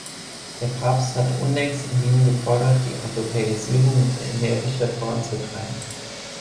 Der Papst hat unlängst in Wien gefordert, die Europäisierung noch energischer voranzutreiben.